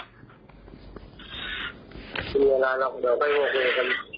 ก็มีเวลานอกเดี๋ยวค่อยโทรศัพท์กัน